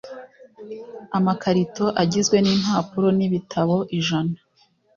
amakarito agizwe n impapuro n ibitabo ijana